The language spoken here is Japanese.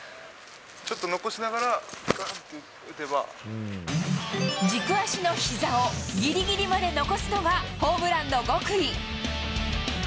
ちょっと残しながら、軸足のひざをぎりぎりまで残すのがホームランの極意。